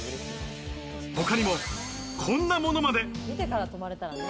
他にもこんなものまで。